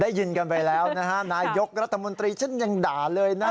ได้ยินกันไปแล้วนะฮะนายกรัฐมนตรีฉันยังด่าเลยนะ